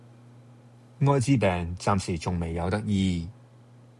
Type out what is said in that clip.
愛滋病暫時仲未有得醫